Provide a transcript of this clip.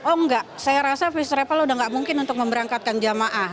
oh enggak saya rasa first travel udah gak mungkin untuk memberangkatkan jamaah